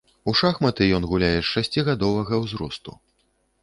У шахматы ён гуляе з шасцігадовага ўзросту.